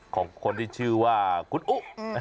ของคนที่ชื่อว่าคุณอุ๊